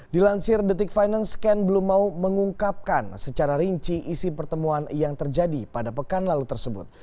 dilansir detik finance ken belum mau mengungkapkan secara rinci isi pertemuan yang terjadi pada pekan lalu tersebut